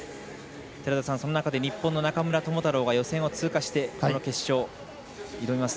その中で日本の中村智太郎が予選を通過して決勝、挑みます。